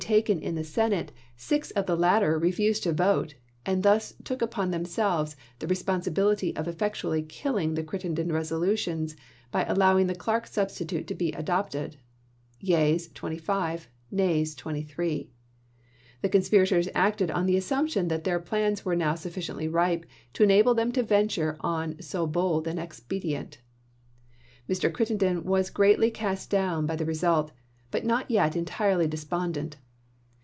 39, taken in the Senate, six of the latter refused to chap.xiv.^ vote, and thus took upon themselves the responsi bility of effectually killing the Crittenden resolu tions by allowing the Clark substitute to be adopted — yeas, 25; nays, 23. The conspirators acted on the assumption that their plans were now suffi ciently ripe to enable them to venture on so bold an expedient. Mr. Crittenden was greatly cast down by the result, but not yet entirely despondent.